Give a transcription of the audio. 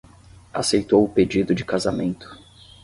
Aceitou o pedido de casamento